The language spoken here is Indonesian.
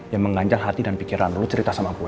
yang mengganjar hati dan pikiran lu cerita sama gue